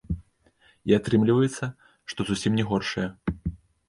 І атрымліваецца, што зусім не горшая.